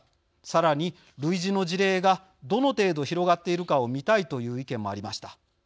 さらに、類似の事例がどの程度広がっているかを見たいという意見もありました。